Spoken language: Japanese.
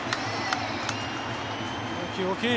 大きい、大きい！